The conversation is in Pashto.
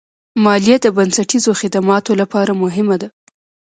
مالیه د بنسټیزو خدماتو لپاره مهمه ده.